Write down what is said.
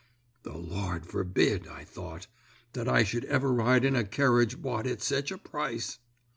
"'The Lord forbid,' I thought, 'that I should ever ride in a kerridge bought at sech a price!'